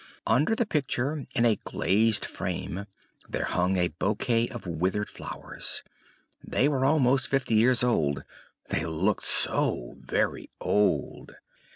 Under the picture, in a glazed frame, there hung a bouquet of withered flowers; they were almost fifty years old; they looked so very old!